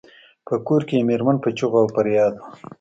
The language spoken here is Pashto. په کور کې یې میرمن په چیغو او فریاد وه.